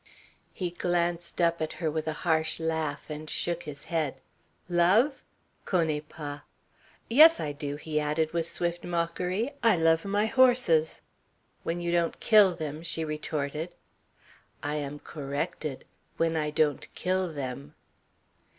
He glanced up at her with a harsh laugh, and shook his head. "Love? Connais pas! Yes, I do," he added with swift mockery, "I love my horses." "When you don't kill them," she retorted. "I am corrected. When I don't kill them."